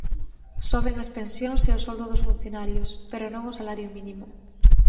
Soben as pensións e o soldo dos funcionarios, pero non o salario mínimo.